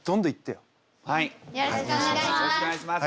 よろしくお願いします。